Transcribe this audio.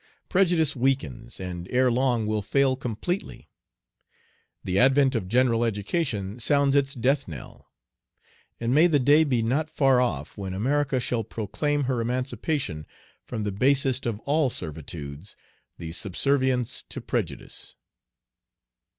Prejudice weakens, and ere long will fail completely. The advent of general education sounds its death knell. And may the day be not afar off when America shall proclaim her emancipation from the basest of all servitudes, the subservience to prejudice!